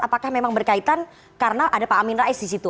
apakah memang berkaitan karena ada pak amin rais di situ